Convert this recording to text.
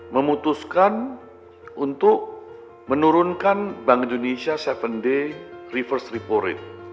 memutuskan untuk menurunkan bank indonesia tujuh day reverse repo rate